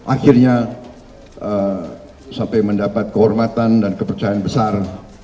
akhirnya sampai mendapat kehormatan dan kepercayaan besar